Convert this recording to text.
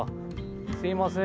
すいません。